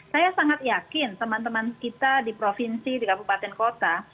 saya sangat yakin teman teman kita di provinsi di kabupaten kota